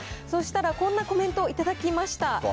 そうしたらこんなコメント頂きました。